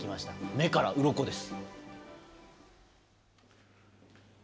目からうろこです。